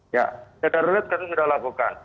ya tenda darurat kita sudah lakukan